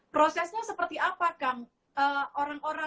prosesnya seperti apa kang